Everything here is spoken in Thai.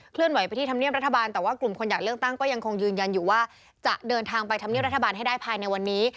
ไปที่ธรรมเนียมรัฐบาลแต่ว่ากลุ่มคนอยากเลือกตั้งก็ยังคงยืนยันอยู่ว่าจะเดินทางไปทำเนียบรัฐบาลให้ได้ภายในวันนี้